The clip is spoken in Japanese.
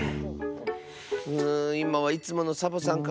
うんいまはいつものサボさんか。